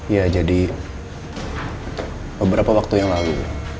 ya jadi beberapa waktu yang lalu